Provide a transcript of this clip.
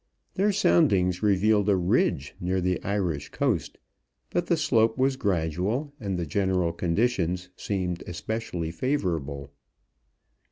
Their soundings revealed a ridge near the Irish coast, but the slope was gradual and the general conditions seemed especially favorable.